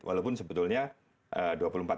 walaupun sebetulnya dua puluh empat jam masih obat